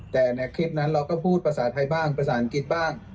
แต่ในคลิปนั้นเราก็พูดภาษาไทยบ้างภาษาอังกฤษบ้าง